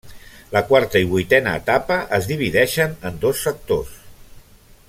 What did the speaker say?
La quarta i vuitena etapa es divideixen en dos sectors.